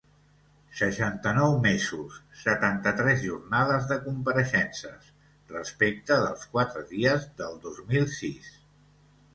Seixanta-nou mesos, setanta-tres jornades de compareixences, respecte dels quatre dies del dos mil sis.